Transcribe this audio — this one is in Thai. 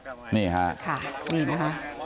อืมนี่ค่ะค่ะนี่นะคะ